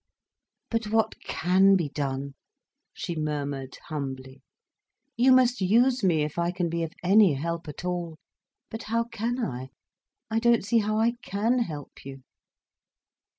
"But what can be done?" she murmured humbly. "You must use me if I can be of any help at all—but how can I? I don't see how I can help you."